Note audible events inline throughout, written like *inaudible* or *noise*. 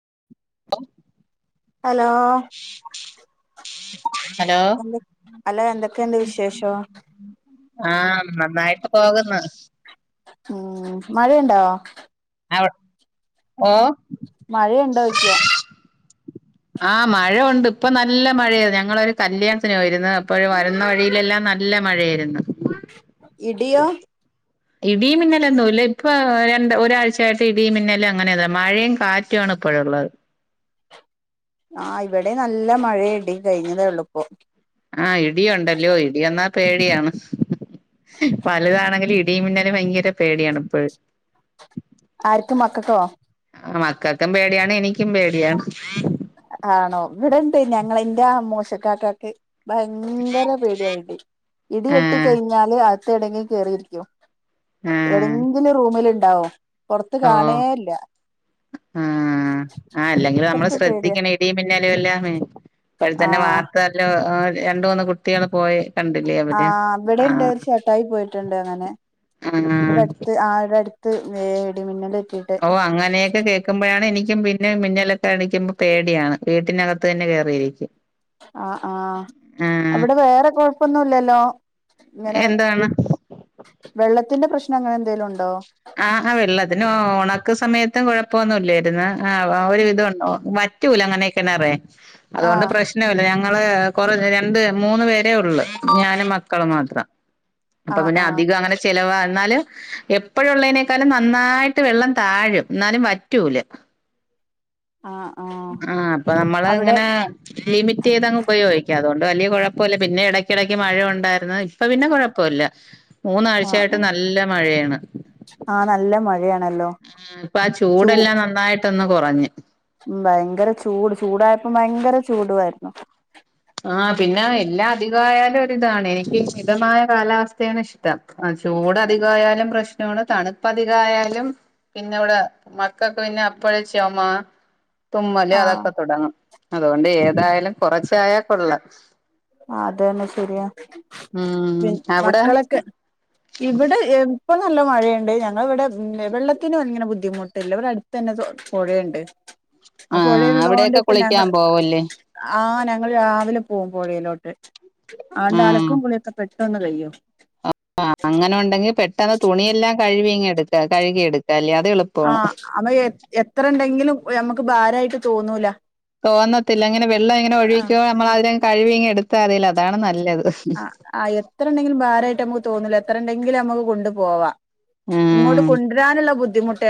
*unintelligible* Hello hello എന്തേ അല്ല എന്തൊക്കെണ്ട് വിശേഷം പോകുന്ന് ഉം മഴ ഇണ്ടോ *unintelligible* ഓ മഴയുണ്ടോയിക്ക ആ മഴ ഒണ്ട് ഇപ്പ നല്ല മഴയാര്ന്ന് ഞങ്ങളൊരു കല്യാണത്തിന് പോയിര്ന്ന് അപ്പൊഴ് വരുന്ന വഴീലെല്ലാം നല്ല മഴയാര്ന്ന് ഇടിയോ ഇടീം മിന്നലൊന്നൂല്ലേ പ്പ ഒരണ്ട് ഒരാഴ്ചയായിട്ട് ഇടി മിന്നല് അങ്ങനെതാണ് മഴയും കാറ്റു ആണ് ഇപ്പോഴൊള്ളത് ആഹ് ഇവിടേം നല്ല മഴേം ഇടീം കയിഞ്ഞതേ ഒള്ളൂപ്പോം ആ ഇടിയൊണ്ടല്യോ ഇടിയെന്നാ പേടിയാണ് വലോതാണെങ്കിലും ഇ ഇടിംമിന്നലും ഭയങ്കര പേടിയാണ് ഇപ്പഴും ക്കും മക്കക്കോ ആ മക്കക്കും പേടിയാണ് എനിക്കും പേടിയാണ് ആണോ ഇവിടെണ്ട് ഞങ്ങള ഇന്റ മോശക്കാക്കാക്ക് ഭയങ്കര പേടിയാണ് ഇടി വെട്ടി ആഹ് കഴിഞ്ഞാല് അ തെണങ്ങി കേറിയിരിക്കും ആഹ് ഏടെങ്കിലും റൂമില് ണ്ടാവും പുറത്ത് ഓഹ് കാണേല്ല പേടിയാ ശ്രദ്ധിക്കണെ ഇടിം മിന്നലും എല്ലാമേ ഇപ്പൾ തന്നെ ആഹ് വാർത്തയെല്ലോം ആ രണ്ട് മൂന്ന് കുട്ടികള് പോയെ ആ അവിടെ ഉണ്ട് ഒരു ചേട്ടായി പോയിട്ടുണ്ട് അങ്ങനെ ആഹ് ഇവിടെ അടുത്ത് ആ ഇവിടെ അടുത്ത് വേ ഇടി മിന്നലേ ഓ അങ്ങനെയൊക്കെ കേൾക്കുമ്പോഴാണ് എനി ക്കും പിന്നെ മിന്നലൊക്കെ അടിക്കുമ്പോ പേടിയാണ് വീട്ടിനകത്ത് തന്നെ കേറിയിരിക്കും ആ ആ ആഹ് അവിടെ വേറെ കൊഴപ്പൊന്നുല്ലല്ലോ ഇങ്ങനെ എന്താണ് ഇ വെള്ളത്തിന്റെ പ്രശ്നം അങ്ങനെന്തെലും ഉണ്ടോ നാക്ക് സമയത്തും കുഴപ്പൊന്നുംല്ലായിരുന്ന് ആ ഒരു വിധം ഉണ്ടോ വാ റ്റുല അങ്ങനെ ഇ കിണറെ അതുകൊണ്ട് ആഹ് പ്രശ്നവില്ല ഞങ്ങ ഞങ്ങൾ കൊറ രണ്ട് മൂന്ന് പേര് ഉള്ളു ഞാനും മക്കളും മാത്രം അപ്പൊ ആഹ് പിന്നെ ആഹ് അധികം അങ്ങനെ ചെലവാ എന്നല് എ ഇപ്പോഴുളേനേക്കാളും നന്നായിട്ട് വെള്ളം താഴും എന്നാലും വറ്റൂല ആഹ് ആഹ് ആ അപ്പൊ നമ്മൾ അവിടെ ഇങ്ങനെ ലിമിറ്റ് ചെയ്തങ്ങ് ഉപയോഗിക്കാം അതുകൊണ്ട് വലിയ കുഴ പ്പ പിന്നെ ഇടക്കിടക്ക് മഴ ഉണ്ടായിരുന്നു ഇപ്പൊ പിന്നെ കുഴപ്പോല്ലാ ആഹ് മൂന്നാഴ്ചയായിട്ട് ആഹ് നല്ല മഴയാണ് ആഹ് നല്ല മഴയാണല്ലോ ഉം ഇപ്പൊ ആ ചൂടെല്ലാം നന്നായിട്ട് ട്ടൊന്ന് കുറഞ്ഞ ഉം ഭയങ്കര ചൂട് ചൂടായപ്പോ ഭയങ്കര ചൂടുവായിരുന്നു ആ പിന്നെ എല്ലാ അധികയാലും ഇതാണെ മിതമായ കാലാവസ്ഥ *unintelligible* ഇഷ്ടം ആ ചൂട അധികയാലും പ്രശ്നമാണ് തണുപ്പ് അധികയാലും പിന്നെ ഇവിടെ മക്കൾക്ക് പിന്നെ അപ്പഴെ ചുമ തുമ്മൽ ആഹ് അതൊക്കെ തുടങ്ങും അതുകൊണ്ട് ഏതായാലും കുറച്ചായ കൊള്ളാ ആ അത് തന്നെ ശരിയാ ഉം പി അവിടെ മക്കളൊക്കെ ഇവിടെ ഇപ്പൊ നല്ല മഴയുണ്ട് ഞങ്ങളിവിടെ ഉം വെള്ളത്തിന് ഇങ്ങനെ ബു ബുദ്ധിമുട്ടില്ല ഇവിടെ അടുത്ത് തന്നെ പുഴയുണ്ട് അപ്പൊ ആഹ് പുഴയുള്ളോണ്ട് കൊണ്ട് അവിടെയൊക്കെ ഇപ്പ ഞങ്ങ കുളിക്കാൻ പോവല്ലേ ആഹ് ഞങ ഞങ്ങൾ രാവിലെ പോവും പൊഴയിലോട്ട് ആണ്ട് ഉം ആലക്കും കുളിക്കൊ പെ ട്ടൊന്ന് കയ്യും അങ്ങനെ ഉണ്ടെങ്കി പെട്ടെന്ന് തുണിയെല്ലാം കഴുവി ഇങ്ങ് എടു കഴുകിയെടുക്ക ആ അമ്മ എത്ര ഉണ്ടെങ്കിലും നമ്മക്ക് ഭാരവായിട്ട് തോന്നൂല തോന്നത്തില്ല അങ്ങനെ വെള്ളം എങ്ങനെ ആ ഒഴിക്കുവോ നമ്മള് അതിനെ - കഴിവി ഇങ്ങ് എടുത്താമതിയല്ലോ അതാണ് നല്ലത് ആ ആ എത്ര ഇണ്ടെങ്കിലും ഭാരായിട്ട് നമുക്ക് തോന്നുന്നില്ല എത്ര ഉണ്ടെങ്കിലും നമുക്ക് കൊണ്ടു പോവാം ഇങ്ങോട്ട് കൊണ്ടുവരാനുള്ള ബുദ്ധി ബുദ്ധിമൂട്ട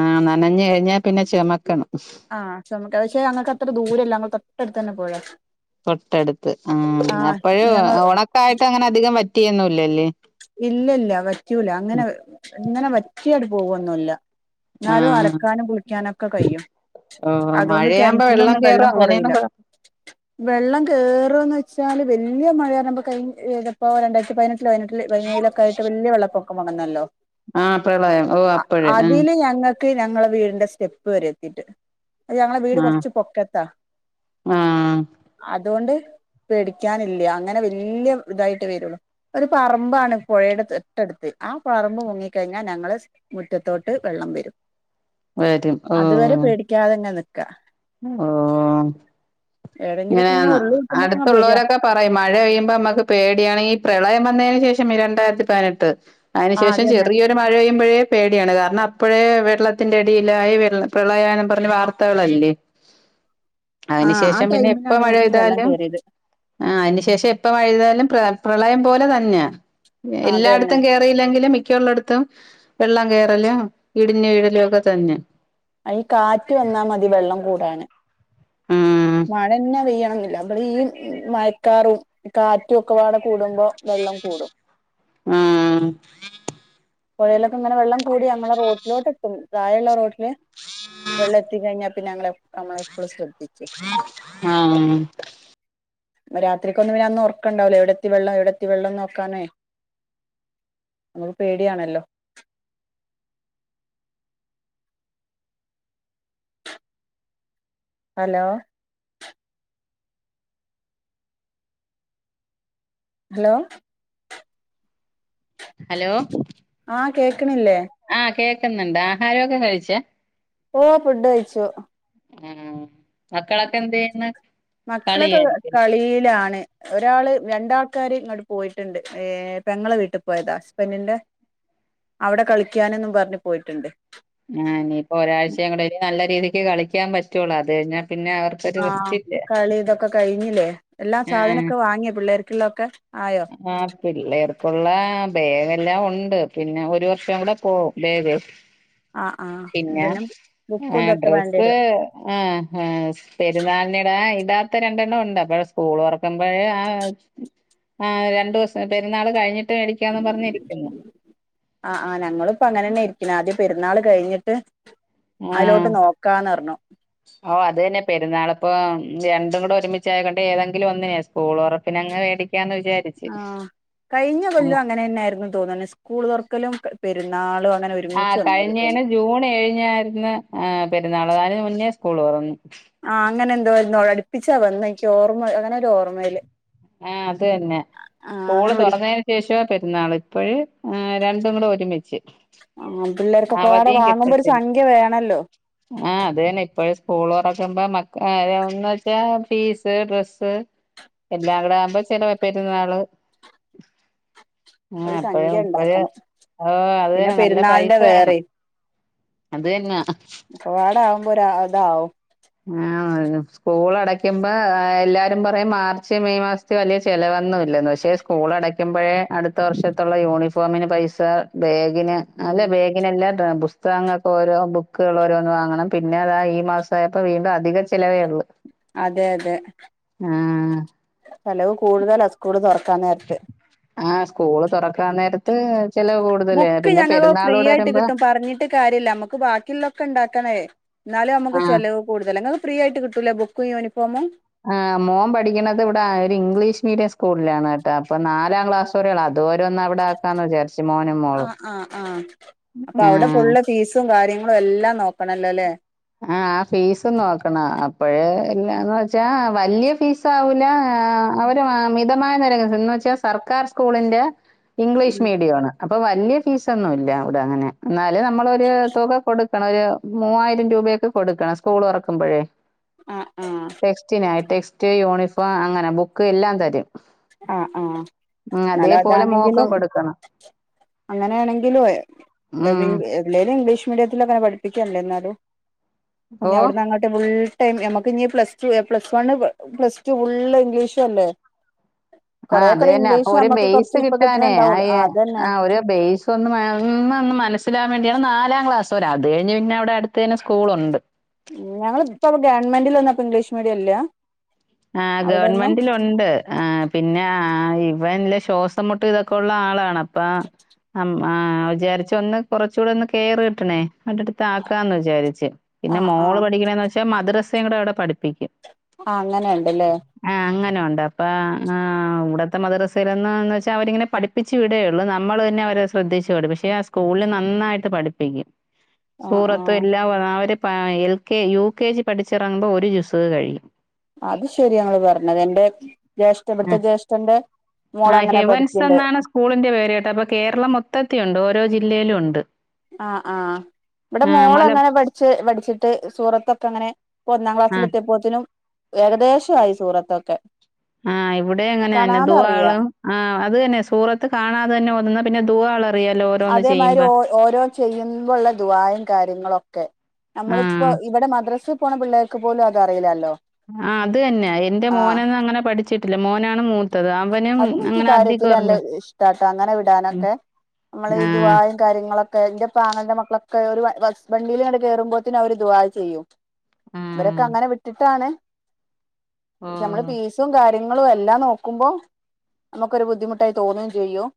ആ നനഞ്ഞു കഴിഞ്ഞാ പിന്നെ ചെമക്കണം ആ ചുമക്ക അ പക്ഷെ ഞങ്ങക്ക്‌ അത്ര ദൂരമില്ല അങ്ങോ - തൊട്ടടുത്ത് തന്നാ പുഴ തൊട്ടടുത്ത് ആ ആഹ് അപ്പഴും ഞങ്ങൾ ഒണക്കായിട്ട് അങ്ങനെ അധികം വറ്റ വറ്റിയൊന്നും യില്ലല്ലേ ഇല്ലല്ല വറ്റൂല അങ്ങനെ ഇങ്ങനെ വറ്റിയടു പോകും ഒന്നുയില്ല എന്നാലും ആഹ് അലക്കാനും കുളിക്കാനും ഒക്കെ കഴിയും ഓഹ് അതുകൊണ്ട് മഴയാകുമ്പോ കിണറ്റിലൊന്നും വെള്ളം കേറും കൊറയില്ല അങ്ങനെയൊന്നും കൊഴ വെള്ളം കേറും ഒന്നുംമില്ല ച്ചാല് വലിയ മഴവരുമ്പോ കഴഞ്ഞ ഇതിപ്പോ രണ്ടായിരത്തി പതിനെട്ടിൽ പതിനെട പതിനേഴിലൊക്കെ ആയിട്ട്‌ വലിയ വെള്ളപ്പൊ ഒണന്നല്ലോ ആ പ്രളയം ഓ അപ്പഴ് ആ ഞങ്ങൾക്ക് ഞങ്ങളെ വീടിന്റെ സ്റ്റെപ്പ് വരെ എത്തിട്ട് ഞങ്ങളെ വീട് ആഹ് കൊറച്ച് പൊക്കത്താ ആഹ് അതുകൊണ്ട് പേടിക്കാനില്ല അങ്ങനെ വല്യ ഇതായിട്ട് വരുള്ളു. ഒരു പറമ്പാണ് പുഴയുടെ തൊട്ടടുത്ത്. ആ പറമ്പ് മുങ്ങിക്കഴിഞ്ഞാൽ ഞങ്ങള് മുറ്റത്തോട്ട് വെള്ളം വരും. വരും ഓ അതുവരെ പേടിക്കാതെങ്ങെ നിക്കാ ഓ ഏതെങ്കിലുമൊക്കെ ഇങ്ങ് ഇങ്ങനെയാന്നോ? ഉരുള് പൊട്ടുമ്പോക്കെ ഇങ്ങ് അടുത്ത് വരാ ഉള്ളോരൊക്കെ പറയും മഴ പെയ്യുമ്പോ മ്മക്ക് പേടിയാണ് പ്രളയം വന്നെന് ശേഷം ഈ രണ്ടായിരത്തി പതിനെട്ട്. ആ അതിനുശേഷം അതന്നെ ചെറിയൊരു മഴ പെയ്യുമ്പോഴേ പേടിയാണ്. കാരണം അ അപ്പോഴേ വെള്ളത്തിന്റെ അടിയിലായി വെളള പ്രളയം ആണന്ന് പറഞ്ഞ് വാർത്തകളല്ലേ? ആ അതിനു ആ ശേഷം പിന്നെ എപ്പ ടൈമിലാണ് മഴ ഞങ്ങക്ക് വെള്ളം പെയ്താലും കേറിയത് ആഹ് അതിനു ശേഷം എപ്പ മഴ പെയ്താലും പ്ര പ്രളയം പോലെ തന്നെയാ. അതന്നെ എല്ലായിടത്തും കേയറിയില്ലെങ്കിലും മിക്കള്ളിടത്തും വെള്ളം കേറലും ഇടിഞ്ഞു വീഴലും ഒക്കെ തന്നെ. അതിന്ന് കാറ്റ് വന്നാ മതി വെള്ളം കൂടാന്. ഉം മഴന്നെ പെയ്യ ഈ മയക്കാറും കാറ്റും ഒക്കെപാടെ കൂടുമ്പോ വെള്ളം കൂടും ആ പുഴയിലൊക്കെ ഇങ്ങനെ വെള്ളം കൂടി ഞങ്ങളെ റോട്ടിലോട്ട് എത്തും താഴെയുള്ള റോട്ടില് വെള്ളം എത്തിക്കഴിഞ്ഞാൽ പിന്നെ ഞങ്ങളെമ്മപ്പഴും ശ്രദ്ധി ആ രാത്രിക്കൊന്നും പിന്നെ അന്ന് ഉറക്കണ്ടാവ്ല്ല്ല എവിടെത്തി വെള്ളം എവിടെത്തി വെള്ളംന്ന് നോക്കാനേ നമുക്ക് പേടിയാണല്ലോ ഹലോ ഹലോ ഹലോ കേക്ക്ണില്ലേ ആഹ് കേക്കുന്നുണ്ട് ആഹാരമൊക്കെ കഴിച്ചെ ഓ ഫുഡ് കഴിച്ചു *unintelligible* മക്കളൊക്കെ എന്ത് ചെയ്യുന്ന് മക്കളൊക്കെ കളിയായിരിക്കും കളിയിലാണ് ഒരാള് രണ്ടാൾക്കാര് ഇങ്ങോട്ട് പോയിട്ടുണ്ട് പെങ്ങളെ വീട്ടിൽ പോയതാ ഹസ്ബൻറിന്റെ അവിടെ കളിക്കാനെന്നും പറഞ്ഞ് പോയിട്ടുണ്ട് ആ ഇനിയിപ്പോ ഒരാഴ്ചകൂടെ നല്ല രീതിക്ക് കളി ളിക്കാൻ പറ്റുള്ളൂ അത് കഴിഞ്ഞാ പിന്നെ അവർക്കൊരു ആ റെസ്റ്റ് ഇല്ല കളി ഇതൊക്കെ കഴിഞ്ഞില്ലേ എല്ലാം ആഹ് സാധനമൊക്കെ വാങ്ങിയ പിള്ളേർക്ക് പിള്ളേർക്ക് ആ പിള്ളേർ പുള്ളേ ബേഗല്ലാവുണ്ട് ഉണ്ട് പിന്നെ ഒരു വർഷം കൂടെ പോകും ബേഗ് ആഹ് ആഹ് പിന്നെ ബുക്കും ആ ഇതൊക്കെ വേണ്ടി ഡ്രസ്സ് വരും അ അ പെരുന്നാളിനിടാൻ ഇടാത്ത രണ്ടെണ്ണം ഉണ്ട് അപ്പഴ് സ്കൂൾ തുറക്കുമ്പോഴേ ആ ആ രണ്ടു ദിവസം പെരുന്നാൾ കഴിഞ്ഞിട്ട് മേടിക്കാന്ന് പറഞ്ഞിരിക്കുന്നു ആ ആ ഞങ്ങളുപ്പ അങ്ങനെ തന്നെ ഇരി പിന്നെ ആദ്യം പെരുന്നാൾ കഴിഞ്ഞിട്ട് ആ അതിലോട്ട് നോക്കാന്ന് പറഞ്ഞു ഓ അത് തന്നെ പെരുന്നാള് ഇപ്പം രണ്ടും കൂടെ ഒരുമിച്ചായക്കൊണ്ട് ഏതെങ്കിലും ഒന്നിനെ സ്കൂൾ തൊറപ്പിനങ്ങ് വേടി ആ കഴിഞ്ഞ കൊല്ലവും അങ്ങനെന്നെയായിരുന്നു തോന്ന്ണു സ്കൂൾ തുറക്കലും പെരു പെരുന്നാള് വന് ആ കഴിഞ്ഞേന്ന് ജൂൺ ഏഴിനായിരുന്നു പെരു പെരുന്നാൾ അതിനു മുന്നേ സ്കൂൾ തുറന്നു ആ അങ്ങനെ എന്തോ അടിപ്പിച്ചാ വന്നേ എനിക്ക് ഓർമ്മ അങ്ങനെ ഒരു ഓർമ്മയില് ആ അതെന്നെ ആഹ് സ്കൂള് അങ്ങനെ ഒരു തുറന്നതിന് ശേഷം പെരു ന്നാള് ഇപ്പോഴേ രണ്ടും കൂടെ ഒരുമിച്ച് ആ പിള്ളേർക്കൊക്കെ പാടെ അവധിയും വാങ്ങുമ്പോ ഒരു കിട്ടത്തില്ല സംഖ്യ വേണോല്ലോ ക്കുമ്പം മക്ക ഒന്ന് വെച്ചാ ഫീസ് ഡ്രസ്സ് എല്ലാം കടടെ ആകുമ്പോ ചെല വാ പെരുന്നാള് ആ ഒരു അപ്പഴ സംഖ്യ ഇപ്പഴ് ഉണ്ടാക്കണം ആ അത് പിന്നെ തന്നെ നല്ല പൈസ പെരുന്നാളിന്റെ വേണം വേറെയും അത് തന്നെ താവും ആ സ്കൂൾ അടക്കുമ്പോ എല്ലാരും പറയും മാർച്ച് മെയ് മാസത്തി വലിയ ചെിലവൊന്നുംല്ല പക്ഷെ സ്കൂൾ അടക്കുമ്പോഴേ അടുത്ത വർഷത്തുള്ള യൂണിഫോമിന് പൈസ ബേ ഗിനെ അല്ലെ ഉം ബേഗിനല്ലാ ബുസ് സ്തകങ്ങൾക്ക് ഓരോ ബുക്കുകൾ ഓരോന്ന് വാങ്ങണം പിന്നെ അതാ ഈ മാസ- ഇപ്പൊ വീണ്ടും അധിക ചിലവേ ഉള്ളൂ അതെ അതെ ആഹ് ചലവ് കൂടുതൽ അ സ്കൂൾ തൊറ ഞാൻ നേര്ത്ത് ആഹ് സ്കൂള് തുറക്കാൻ നേര ബുക്ക് ഞങ്ങള് ഫ്രീ ആയിട്ട് വരുമ്പോ കിട്ടും പറഞ്ഞിട്ട് കാര്യല്ല നമ്മുക്ക് ബാക്കിയുള്ളൊക്കെ ഉണ്ടാക്കണേ എന്നാലും നമുക്ക് ആഹ് ചിലവ് കൂടുതലാ നിങ്ങ ഫ്രീ ആയി കിട്ടൂലേ ബുക്കും യൂണിഫോമും ആ മോം പഠിക്കണുന്നത് ഇവിടെ ഒരു ഇംഗ്ലീഷ് മീഡിയം സ്കൂളിലാണേട്ടാ അപ്പൊ നാലാം ക്ലാസ് വരെയുള്ള ആ മോളും ആ ആഹ് അപ്പ അവിടെ ആഹ് ഫുള്ള് ഫീസും കാര്യ ങ്ങളും എല്ലാം നോക്കണല്ലോ ല്ലേ ആഹ് ആ ഫീസും നോക്കണം ആ അപ്പഴേ എല്ലാന്ന് വെച്ചാ വല്യ ഫീസ്‌ ആവൂല ആ അവര് മമിത മായനിരക്ക് എന്ന് വെച്ചാൽ സർക്കാർ സ്കൂളിന്റെ ഇംഗ്ലീഷ് ഉം. മീഡിയം ആണ് അപ്പം വലിയ ഫീസ്‌ ഒന്നൂല്ല അവിടെ അങ്ങനെ ന്നാ ഇത് നമ്മളൊര് തുക കൊടു ക്കണ ഒരു മൂവായിരം രൂ പയൊക്കെ കൊടുക്കണം സ്കൂൾ തുറക്കുമ്പോഴേ ആ ആ ടെക്സ്റ്റിനായി ടെക്സ്റ്റ് യൂണിഫോം അങ്ങനെ ബുക്ക് എല്ലാം തരും ആ ആഹ് ഉം. നല്ലോം അതേപോലെ മോക്കും താണെങ്കിലും കൊടുക്കണം. അങ്ങനെയാണെങ്കിലും ഉം. *unintelligible* ഇംഗ്ലീഷ് മീഡിയത്തിൽ അങ്ങനെ പഠിപ്പിക്കല്ലേ ഇന്നാലും ഇനി ഓഹ്? അവിടന്ന് അങ്ങട്ട് ഫുൾ ടൈം ഞമക്ക് ഇഞ്ഞ് plus two plus one plus two full English അല്ലേ ആ അത് കൊറെേക്കുറെ തന്നെ അപ്പൊ ഇംഗ്ലീഷ് ഒരു നമുക്ക് ബെയ്സ് കുറച്ച് ഇപ്പൊ കിട്ടാനേ ആ കിട്ടണണ്ടാവുള്ളൂ അതന്നെ ആ ഒരു ബെയ്സ് ഒന്ന് ഒന്ന് മനസ്സിലാ ക്കാൻ വേണ്ടിയാണ് നാലാം ക്ലാസ് വരെ അത് കഴിഞ്ഞ് പിന്നെ അവിടെ അടുത്ത് തന്നെ സ്കൂളുണ്ട് ഞങ്ങൾപ്പം ഗവൺമെന്റിൽ നിന്നപ്പം ഇംഗ്ലീഷ് മീഡിയം ഇല്ല ആ അവിടെയൊന്നും ഗവൺമെന്റിലുണ്ട് ആ പിന്നെ ആ ആ ഇവൻല് ശ്വാസം മുട്ട് ഇതൊക്കെ ഉള്ള ആളാണ് അപ്പ അം ആ വിചാരിച്ച ഒന്ന് കൊറച്ചുകൂടെ ഒന്ന് കെയറ് കിട്ടണേ അടട്ത്ത് ആക്കാന്ന് വിചാരിച്ച് പിന്നെ ആഹ് മോള് പഠിക്കണന്ന് വെച്ചാ മദ്രസ തെങ്ങടെ അവടെ പടി ആ അങ്ങനെയ ണ്ട്ല്ലേ നണ്ട് അപ്പ ആ അവ്ടത്തെ മദ്രസയിലൊന്നന്ന് വെച്ചാ അവരിങ്ങനെ പഠിപ്പിച്ച് വിടേയള്ളൂ നമ്മള് തന്നെ അവരെ ശ്രദ്ധിച്ചുടും പക്ഷെ ആ സ്കൂളിൽ നന്നായിട്ട് പഠിപ്പിക്കും ആഹ് സൂറത്തും ആഹ് എല്ലാം അ അവര് പ്പ എൽകെ യുകെജി പഠിച്ചിറങ്ങുമ്പോ ഒരു ജുസ്ഹ് കഴിയും അത് ശെരിയാണ് പറഞ്ഞത് എൻറെ ജ്യേഷ്ഠ ആ. ഇവിടുത്തെ ജ്യേഷ്ഠന്റെ ആ മോളങ്ങനെ ഹെവൻസ് പഠിക്ക്ണ്ട് എന്നാണ് സ്കൂളിന്റെ പേര് കേട്ടോ. അപ്പൊ കേരളം മൊത്തത്തിയുണ്ട്. ഓരോ ജില്ലയിലും ഉണ്ട് ആ ആ ഇവടെ ആ മല മോളങ്ങനെ പഠിച്ച് പഠിച്ചിട്ട് സൂറത്തൊക്കെ അങ്ങനെ പ്പോ ഒന്നാം ആ ക്ലാസിലത്തിയപ്പോത്തിനും ഏകദേശായി സൂറത്തൊക്കെ ആ ഇവിടെ അങ്ങനന്നെ കാണാതെ അറിയാ ദുആളും ആ അത് തന്നെ സൂറത്ത് കാണാതെ തന്നെ ഓതുന്നു പിന്നെ ദുആള് അതേമാതിരി ഓ ഓരോ ചെയ്യുമ്പോള്ള ദുആയും കാര്യങ്ങളൊക്കെ ആ. നമ്മളിപ്പോ ഇവിടെ മദ്രസ് പോണ പിള്ളേർക്ക് പോലും അതറീല്ലാല്ലോ ആ അത് തന്നെ എന്റെ മോനന്ന് അങ്ങനെ പഠിച്ചി ല്ല മോനാണ് മൂ അതിനൊക്ക് കാര്യത്തി നല്ല ഇഷ്ടട്ടോ അങ്ങനെ ഉം. വിടാനൊക്കെ മ്മൾ ഈ ആ. ദുആയും കാര്യങ്ങളൊക്കെ ന്റെപ്പാങ്ങളന്റെ മക്കളൊ ക്കയറ ഒര് വ ബസ് വണ്ടിയില്ങ്ങട്ട് കേറുമ്പോത്തിന് അവര് ദുആഹ് ചെയ്യും ഉം. ഇവരൊക്കെ അങ്ങനെ വിട്ടിട്ടാണ് ക്ഷെ നമ്മള് ഓഹ്. ഫീസും കാര്യ ങ്ങളും എല്ലാം നോ ക്കുമ്പോ നമുക്കൊരു ബുദ്ധിമുട്ടായി തോന്നുകയും ചെയ്യും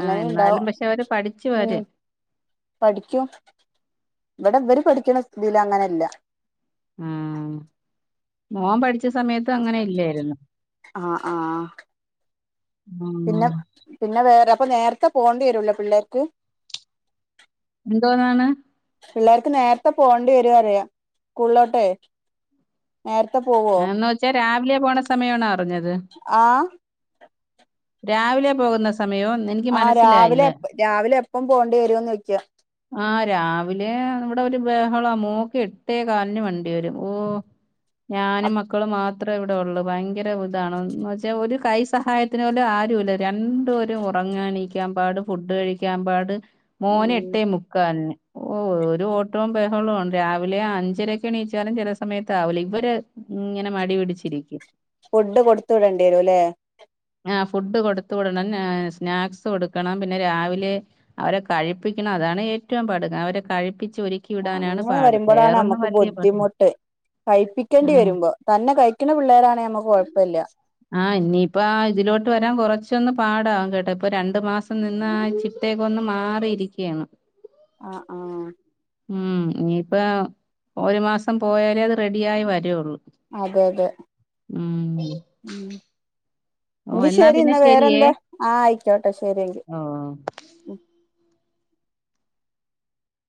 ആ ഉണ്ടാവും എന്നാലും പക്ഷെ അവര് പഠിച്ചു ഉം വരും പഠിക്കും ഇവിടെവര് പഠിക്കുന്ന സ്കൂളിലെങ്ങനെല്ല ആ മോൻ പഠിച്ച സമയത്ത് ഇത് അങ്ങനെ ഇല്ലായിരുന്നു ആഹ് ആഹ് പിന്നെ ഉം. പിന്നെ വേറെ അപ്പോ നേരത്തെ പോണ്ടി വരുല്ല പിള്ളേർക്ക് എന്തോന്നാണ് പിള്ളേർക്ക് നേരത്തെ പോകേണ്ടി വരുറിയാം സ്കൂളിലോട്ടേ ആന്ന് വെച്ചാ രാവിലെ പോണ സമയണോ അറിഞ്ഞത് ആഹ് രാവിലെ പോകുന്ന സമയോ? എനിക്ക് ആ മനസ്സിലായില്ല. രാവിലെ എ രാവിലെ എപ്പം പോണ്ടി വരൂന്ന് ചോയ്ക്കാം ആ രാവിലെ ഇവിടെ ഒരു ബഹളം മോക്ക് എട്ടേ കാലിന് വണ്ടി വരും ഓ ഞാനും മക്കളും മാ അത്ര ഇവിടെ ഉള്ളു ഭയങ്കര ഇതാണ്ന്ന് വെച്ചാൽ ഒരു കൈ സഹായത്തിന് പോലും ആരുംല്ല രണ്ടുപേരും ഉറങ്ങണിക്കാൻ പാട് ഫുഡ് കഴിക്കാൻ പാട് മോന് ഉം എട്ടേ മുക്കാലിന് ഓ ഒരു ഓട്ടോം ബഹളോം രാവിലെ അഞ്ചരക്കെ എണീച്ചാലും ചില സമയത്ത് ആവലെ അവര് ഇങ്ങനെ മടി പിടിച്ചിരിക്കും ഫുഡ് കൊടുത്ത് വിടേണ്ടി വരുല്ലേ ആ ഫുഡ് കൊടുത്തു വിടണം ന സ്നാക്സ് കൊടുക്കണം പിന്നെ രാവിലെ അവരെ കഴിപ്പിക്കണം അതാണ് ഏറ്റവും പാട് അവരെ കഴിപ്പി അ അങ്ങനെ വരുമ്പഴാണ് നമ്മുക്ക് വലിയ പാടില്ല ബുദ്ധിമുട്ട് കഴപ്പിക്കേണ്ടി വരുമ്പോ തന്നെ കഴിക്കണ പിള്ളേരാണേ നമ്മക്ക് കൊഴപ്പല്ല ഇപ്പ ഇതിലോട്ട് വരാൻ കുറച്ച് പച്ച ഒന്ന് പാടവാം കേട്ടാ ഇപ്പൊ രണ്ടു മാസം നിന്ന് ആ ചിട്ടേക്കൊന്ന് മാറിരിക്കുകയാണ് അ ആ ഉം ഇനിയിപ്പ ഒരു മാസം പോയാലേ അത് റെഡി ആയി വരയുള്ളൂ അതെ അതെ ഉം ഓ എങ്കി എന്നാ ശരി പിന്നെ ഇന്നാ ശരിയേ വേറെന്താ ആഹ് അയിക്കോട്ടെ ശരിയങ്കിൽ ഓ